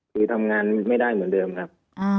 คือทำงานไม่ได้เหมือนเดิมครับ